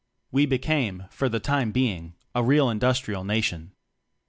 We became, for the time being, a real Industrial Na tion.